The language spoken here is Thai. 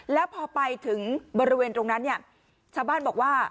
แล้วพอไปถึงบริเวณตรงนั้นเนี่ยชาวบ้านบอกว่า